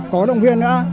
có động viên nữa